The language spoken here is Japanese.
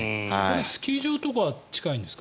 スキー場とかが近いんですか？